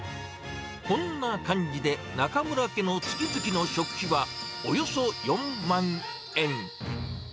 こんな感じで、中邑家の月々の食費はおよそ４万円。